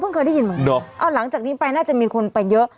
เคยได้ยินเหมือนกันเอาหลังจากนี้ไปน่าจะมีคนไปเยอะ